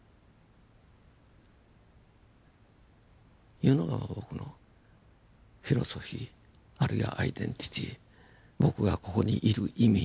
いうのが僕のフィロソフィーあるいはアイデンティティー僕がここにいる意味